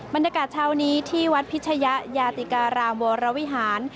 บรรยากาศเช้านี้ที่วัดพิชยะยาติการามวรวิหาร